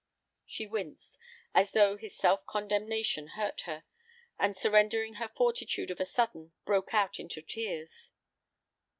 She winced, as though his self condemnation hurt her, and surrendering her fortitude of a sudden, broke out into tears.